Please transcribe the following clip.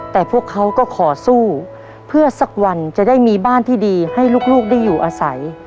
แต่พวกเขาก็ขอสู้เพื่อสักวันจะได้มีบ้านที่ดีให้ลูกได้อยู่อาศัย